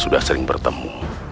sudah sering bertemu